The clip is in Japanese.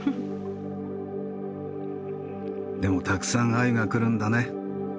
でもたくさんアユが来るんだね。